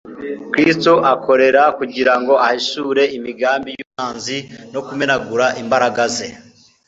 Kristo akorera kugira ngo ahishure imigambi y'umwanzi no kumenagura imbaraga ze.